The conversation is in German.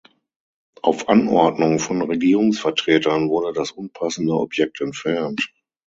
Auf Anordnung von Regierungsvertretern wurde das unpassende Objekt entfernt.